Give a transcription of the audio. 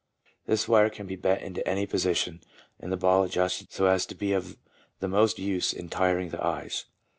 This wire can be bent into any position, and the ball adjusted, so as to be of the most use in tiring the eyes.